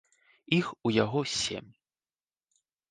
Іх у яго сем.